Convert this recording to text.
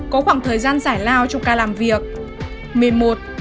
một mươi có khoảng thời gian giải lao trong ca làm việc